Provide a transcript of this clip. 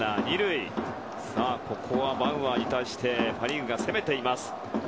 ここはバウアーに対してパ・リーグが攻めています。